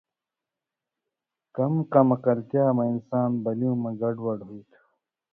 قمقملتیا مہ انسان بلیوں مہ گڈ وَڈ ہُوئ تُھو